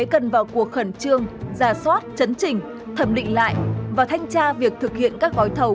cần vào cuộc khẩn trương ra soát chấn chỉnh thẩm định lại và thanh tra việc thực hiện các gói thầu